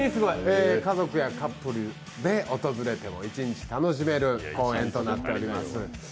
家族やカップルで訪れても一日楽しめる公園となっております。